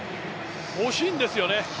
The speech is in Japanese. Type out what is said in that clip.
惜しいんですよね。